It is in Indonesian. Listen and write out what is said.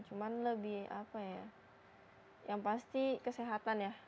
cuman lebih apa ya yang pasti kesehatan ya